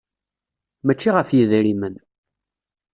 Mačči ɣef yidrimen.